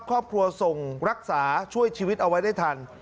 ครอบครัวส่งรักษาช่วยชีวิตเอาไว้ได้ทัน